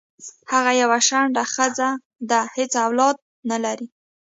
هغه یوه شنډه خځه ده حیڅ اولاد نه لری